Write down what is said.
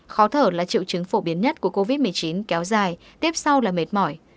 khó thở là triệu chứng phổ biến nhất của covid một mươi chín kéo dài tiếp sau là mệt mỏi